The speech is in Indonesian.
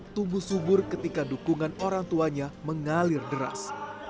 tumbuh subur ketika dukungan orang tuanya mengalir deras